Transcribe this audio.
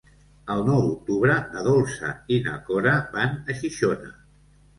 El nou d'octubre na Dolça i na Cora van a Xixona.